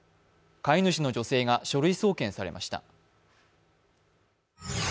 飼い主の女性が書類送検されました。